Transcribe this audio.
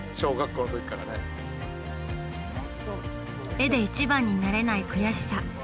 絵で一番になれない悔しさ。